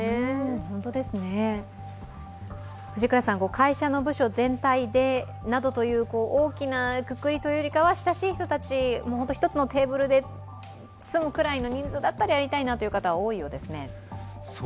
会社の部署全体などという大きなくくりというよりは、親しい人たち、本当に一つのテーブルで済むくらいの人数だったらやりたいなという方が多いようですね。